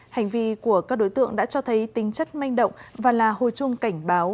hành vi của các đối tượng đã cho thấy tính chất manh động và là hồi chuông cảnh báo